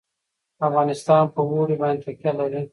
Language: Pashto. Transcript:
افغانستان په اوړي باندې تکیه لري.